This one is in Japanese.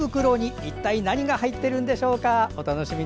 一体何が入っているんでしょうかお楽しみに。